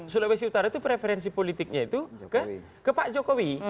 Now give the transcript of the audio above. sulawesi utara itu preferensi politiknya itu ke pak jokowi